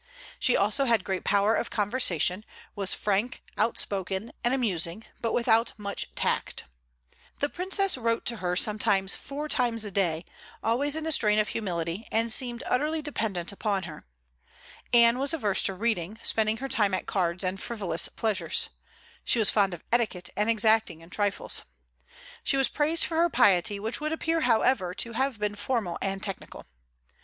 She also had great power of conversation, was frank, outspoken, and amusing, but without much tact. The Princess wrote to her sometimes four times a day, always in the strain of humility, and seemed utterly dependent upon her. Anne was averse to reading, spending her time at cards and frivolous pleasures. She was fond of etiquette, and exacting in trifles. She was praised for her piety, which would appear however to have been formal and technical.